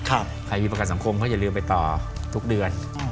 ใครมีประกันสังคมก็อย่าลืมไปต่อทุกเดือน